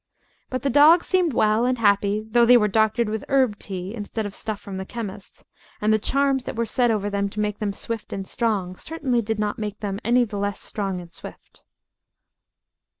But the dogs seemed well and happy, though they were doctored with herb tea instead of stuff from the chemist's, and the charms that were said over them to make them swift and strong certainly did not make them any the less strong and swift.